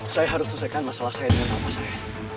saya harus selesaikan masalah saya dengan bapak saya